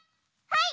はい！